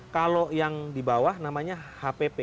kalau yang di bawah namanya hpp